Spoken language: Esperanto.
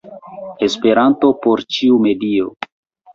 Esperanto por ĉiu medio!